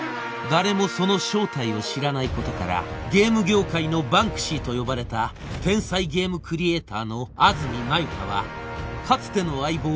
誰もその正体を知らないことからゲーム業界のバンクシーと呼ばれた天才ゲームクリエイターの安積那由他はかつての相棒